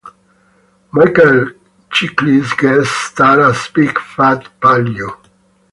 Michael Chiklis guest stars as Big Fat Paulie.